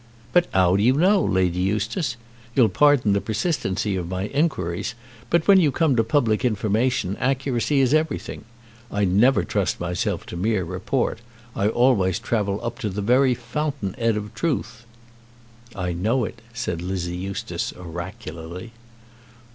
"But 'ow do you know, Lady Eustace? You'll pardon the persistency of my inquiries, but when you come to public information accuracy is everything. I never trust myself to mere report. I always travel up to the very fountain 'ead of truth." "I know it," said Lizzy Eustace oracularly.